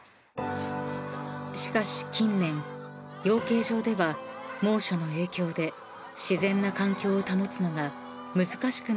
［しかし近年養鶏場では猛暑の影響で自然な環境を保つのが難しくなってきているという］